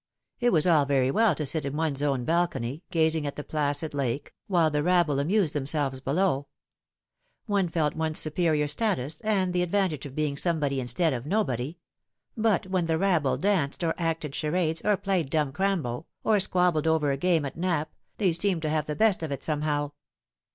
It was all very well to sit in one's own balcony, gazing at the placid lake, while the rabble amused themselves below. One felt one's superior status, and the advantage of being some body instead of nobody ; but when the rabble danced or acted charades, or played dumb crambo, or squabbled over a game at nap, they seemed to have the best of it somehow.